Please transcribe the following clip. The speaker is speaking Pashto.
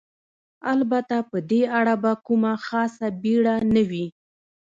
البته په دې اړه به کومه خاصه بېړه نه وي.